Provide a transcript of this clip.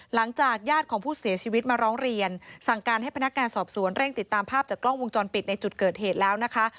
ญาติของผู้เสียชีวิตมาร้องเรียนสั่งการให้พนักงานสอบสวนเร่งติดตามภาพจากกล้องวงจรปิดในจุดเกิดเหตุแล้วนะคะ